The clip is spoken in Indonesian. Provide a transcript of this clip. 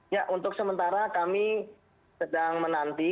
ya untuk sementara kami sedang menanti